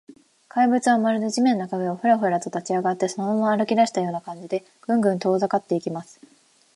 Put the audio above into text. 怪物は、まるで地面の影が、フラフラと立ちあがって、そのまま歩きだしたような感じで、グングンと遠ざかっていきます。